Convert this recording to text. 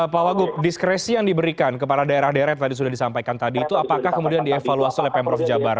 pak wagub diskresi yang diberikan kepada daerah daerah yang tadi sudah disampaikan tadi itu apakah kemudian dievaluasi oleh pemprov jabar